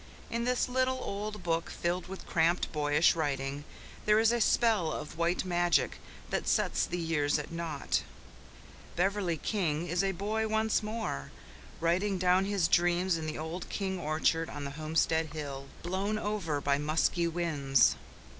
In this little, old book, filled with cramped, boyish writing, there is a spell of white magic that sets the years at naught. Beverley King is a boy once more, writing down his dreams in the old King orchard on the homestead hill, blown over by musky winds.